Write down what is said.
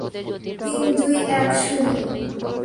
তিন, দুই, এক, শুরু।